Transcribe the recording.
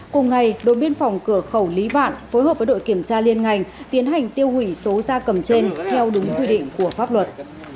cùng ngày đội biên phòng cửa khẩu lý vạn phối hợp với đội kiểm tra liên ngành tiến hành tiêu hủy số ra cầm trên theo đúng quy định của pháp luật